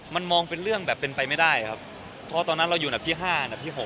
มันมองเป็นเรื่องแบบเป็นไปไม่ได้ครับเพราะตอนนั้นเราอยู่อันดับที่๕อันดับที่๖